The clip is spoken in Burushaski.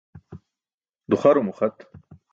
Duxarum uxat.